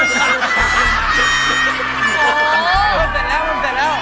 มันเสร็จแล้ว